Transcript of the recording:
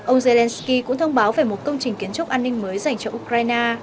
ông zelenskyy cũng thông báo về một công trình kiến trúc an ninh mới dành cho ukraine